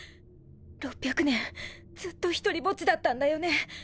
６００年ずっとひとりぼっちだったんだよね。